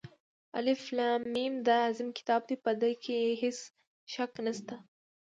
الف لام ، میم دا عظیم كتاب دى، په ده كې هېڅ شك نشته.